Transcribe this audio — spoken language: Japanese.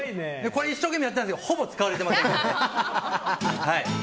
これ、一生懸命やったんですがほぼ使われてません。